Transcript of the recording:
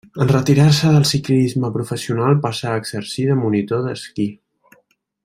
En retirar-se del ciclisme professional passà a exercir de monitor d'esquí.